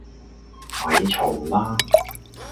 咪嘈啦